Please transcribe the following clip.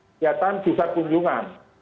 kegiatan pusat kunjungan